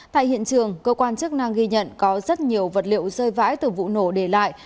tại hiện trường cơ quan chức năng ghi nhận có rất nhiều vật liệu rơi vãi từ vụ nổ để lại